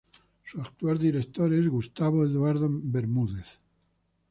Su actual director es Gustavo Eduardo Bermúdez.